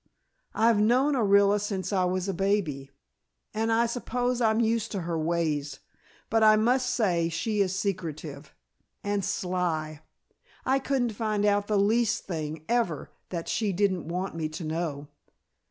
I've known Orilla since I was a baby, and I suppose I'm used to her ways, but I must say she is secretive. And sly! I couldn't find out the least thing, ever, that she didn't want me to know."